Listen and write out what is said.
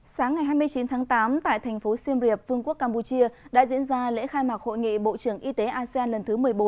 sáng ngày hai mươi chín tháng tám tại thành phố siem reap vương quốc campuchia đã diễn ra lễ khai mạc hội nghị bộ trưởng y tế asean lần thứ một mươi bốn